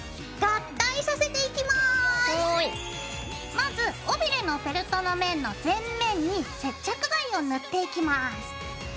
まず尾びれのフェルトの面の全面に接着剤を塗っていきます。